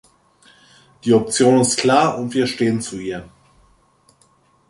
Die Option ist klar, und wir stehen zu ihr.